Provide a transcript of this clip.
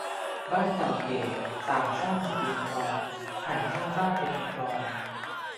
บ้านเก่าแก่ต่างสร้างอยู่ริมคลอง หันหน้าบ้านไปทางคลอง